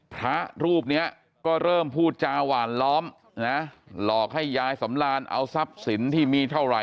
พระรูปนี้ก็เริ่มพูดจาหวานล้อมนะหลอกให้ยายสำรานเอาทรัพย์สินที่มีเท่าไหร